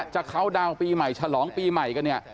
จะเข้าดาวน์ปีใหม่ฉลองปีใหม่กันเนี่ย